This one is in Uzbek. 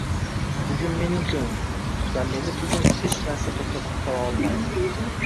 Bugun mening kunim va meni bugun hech narsa to‘xtatib qola olmaydi!